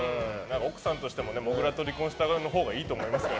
奥さんとしてももぐらと離婚したほうがいいと思いますから。